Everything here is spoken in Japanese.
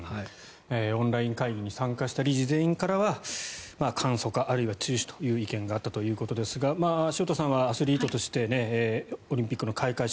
オンライン会議に参加した理事全員からは簡素化あるいは中止という意見があったようですが潮田さんはアスリートとしてオリンピックの開会式